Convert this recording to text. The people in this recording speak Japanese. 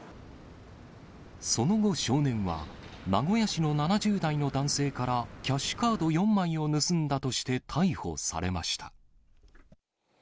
その後、少年は、名古屋市の７０代の男性からキャッシュカード４枚を盗んだとして逮捕されました。